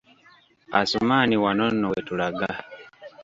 Asumani wano nno wetulaga.